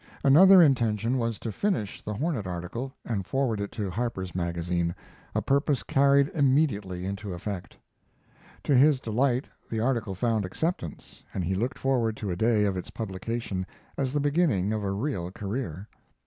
Another intention was to finish the Hornet article, and forward it to Harper's Magazine a purpose carried immediately into effect. To his delight the article found acceptance, and he looked forward to the day of its publication as the beginning of a real career.